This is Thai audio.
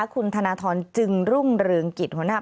คุณธนทรจึงรุ่งรึงกิจวันนี้